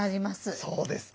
そうですか。